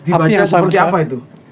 dibaca seperti apa itu